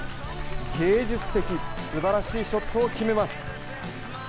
芸術的、すばらしいショットを決めます。